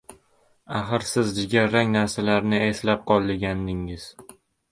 – Axir siz jigarrang narsalarni eslab qol, degandingiz.